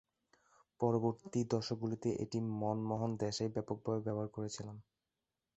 পরবর্তী দশকগুলিতে এটি মনমোহন দেশাই ব্যাপকভাবে ব্যবহার করেছিলেন।